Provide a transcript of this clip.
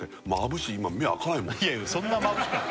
いやいやそんなまぶしくない